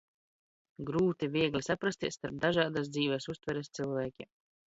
Grūti, viegli saprasties, starp dažādas dzīves uztveres cilvēkiem.